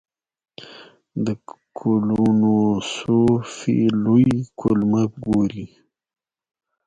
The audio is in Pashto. د کولونوسکوپي لوی کولمه ګوري.